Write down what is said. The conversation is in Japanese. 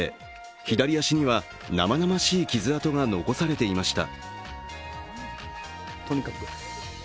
左足には生々しい傷痕が残されていました。